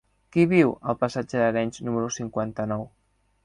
Qui viu al passatge d'Arenys número cinquanta-nou?